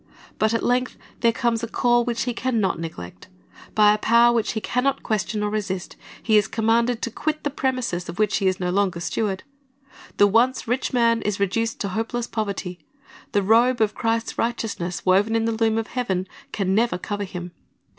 But at length there comes a call which he can not neglect. By a power which he can not question or resist he is commanded to quit the premises of which he is no longer steward. The once rich man is reduced to hopeless poverty. The robe of Christ's righteousness, woven in the loom of heaven, can never cover him.